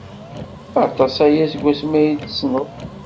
Aṭas aya seg wasmi ay t-tessneḍ?